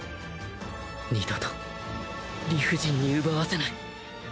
二度と理不尽に奪わせない